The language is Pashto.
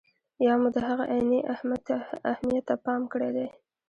یا مو د هغه عیني اهمیت ته پام کړی دی.